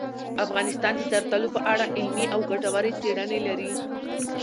افغانستان د زردالو په اړه علمي او ګټورې څېړنې لري.